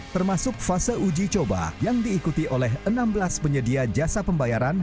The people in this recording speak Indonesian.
termasuk fase uji coba yang diikuti oleh enam belas penyedia jasa pembayaran